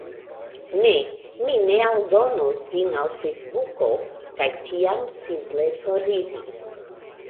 "Ne. Mi ne aldonos vin al Fejsbuko." kaj tiam simple foriris.